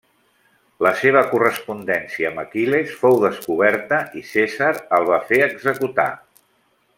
La seva correspondència amb Aquil·les fou descoberta i Cèsar el va fer executar.